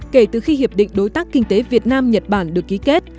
kể từ khi hiệp định đối tác kinh tế việt nam nhật bản được ký kết